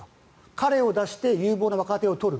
彼を出して有望な若手を取る。